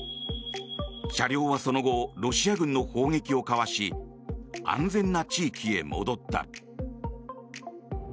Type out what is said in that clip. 車両はその後ロシア軍の砲撃をかわし安全な地域へ戻った。